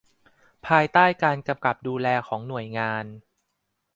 ภายใต้การกำกับดูแลของหน่วยงาน